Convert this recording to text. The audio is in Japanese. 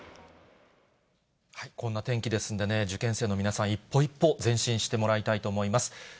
こんな天気ですんでね、受験生の皆さん、一歩一歩、前進してもらいたいと思います。